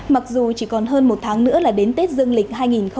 mặc dù chỉ còn hơn một tháng nữa là đến tết dương lịch hai nghìn hai mươi